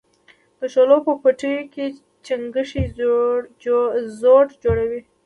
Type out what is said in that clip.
د شولو په پټیو کې چنگښې ځوږ جوړوي.